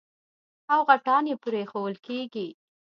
او غټان يې پرېښوول کېږي.